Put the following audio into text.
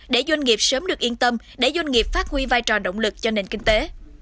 để doanh nghiệp sớm được yên tâm để doanh nghiệp phát huy vai trò động lực cho nền kinh tế